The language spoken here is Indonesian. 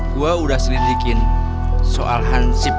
gue udah selidikin soal hansip